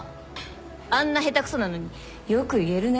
あんな下手くそなのによく言えるね。